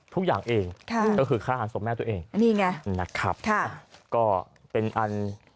ทุกอย่างเองค่ะก็คือฆ่าหันศพแม่ตัวเองนี่ไงนะครับค่ะก็เป็นอัน